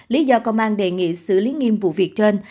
lý do công an đề nghị xử lý nghiêm vụ việc trên